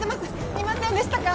見ませんでしたか？